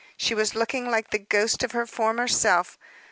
She was looking like the ghost of her former self.